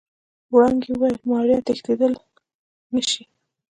وړانګې وويل ماريا تښتېدل نشي.